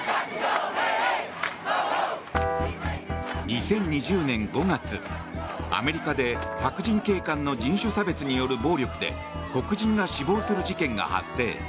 ２０２０年５月、アメリカで白人警官の人種差別による暴力で黒人が死亡する事件が発生。